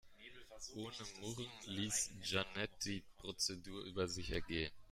Ohne Murren ließ Jeanette die Prozedur über sich ergehen.